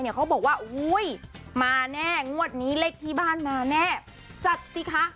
เขาบอกว่าอุ้ยมาแน่งวดนี้เลขที่บ้านมาแน่จัดสิคะ